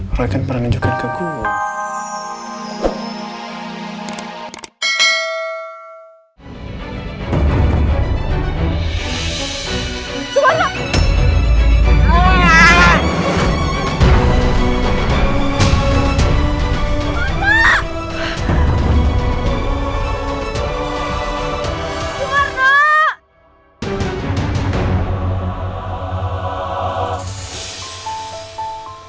orang yang pernah nunjukin ke gue